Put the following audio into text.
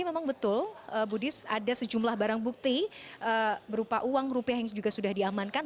memang betul budis ada sejumlah barang bukti berupa uang rupiah yang juga sudah diamankan